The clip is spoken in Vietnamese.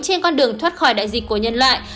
trên con đường thoát khỏi đại dịch của nhân loại